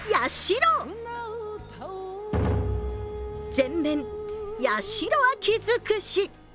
全面、八代亜紀尽くし。